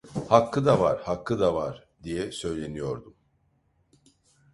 "Hakkı da var, hakkı da var!" diye söyleniyordum.